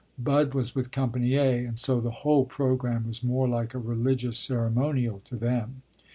Bud was with company "A," and so the whole program was more like a religious ceremonial to them.